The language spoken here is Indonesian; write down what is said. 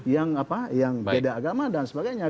yang beda agama dan sebagainya